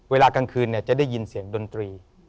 กลางคืนจะได้ยินเสียงดนตรี